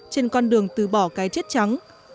trên con đường từ bỏ cái chết trắng